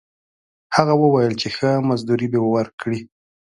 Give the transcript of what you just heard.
هغه وویل چې ښه مزدوري به ورکړي.